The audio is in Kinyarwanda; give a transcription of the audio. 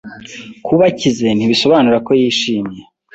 Kuba akize, ntibisobanura ko yishimye.